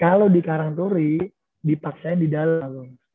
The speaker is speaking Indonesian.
kalau di karangtori dipaksain di dalam